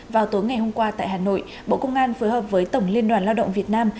vào tối ngày hôm qua tại hà nội bộ công an phối hợp với tổng liên đoàn lao động việt nam